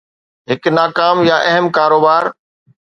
هڪ ناڪام يا اهم ڪاروبار